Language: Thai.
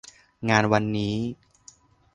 งานวันนี้